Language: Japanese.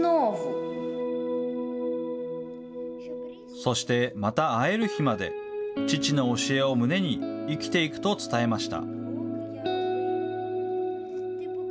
そして、また会える日まで、父の教えを胸に生きていくと伝えました。